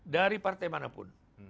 dari partai manapun